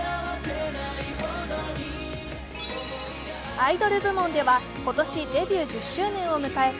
アイドル部門では今年デビュー１０周年を迎えた